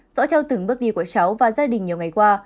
dõi theo từng bước đi của cháu và gia đình nhiều ngày qua